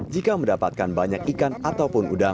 jika mendapatkan banyak ikan atau penyusutan